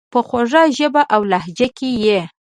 په خوږه ژبه اولهجه کي یې،